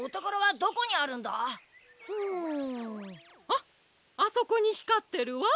あっあそこにひかってるわ。